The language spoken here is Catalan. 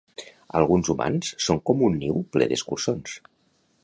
Alguns humans són com un niu ple d'escurçons